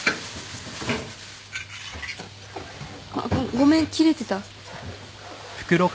ごめん切れてた？